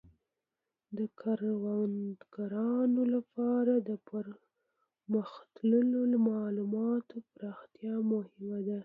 د کروندګرانو لپاره د پرمختللو مالوماتو پراختیا مهمه ده.